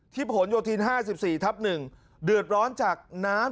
ที่ผลโยธีนห้าสิบสี่ทับหนึ่งเดือดร้อนจากน้ำ